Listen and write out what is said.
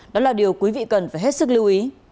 đó là điều quý vị cần phải hết sức lưu ý